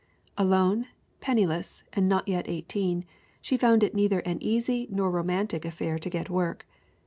Alone, penniless, and not yet eighteen, she found it neither an easy nor romantic affair to get work.